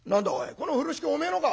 この風呂敷おめえのか？